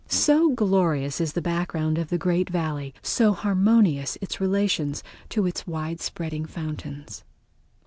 So glorious is the background of the great Valley, so harmonious its relations to its widespreading fountains.